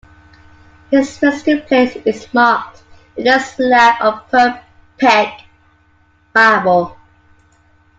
His resting place is marked with a slab of Purbeck marble.